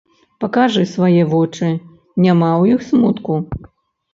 Пакажы свае вочы, няма ў іх смутку?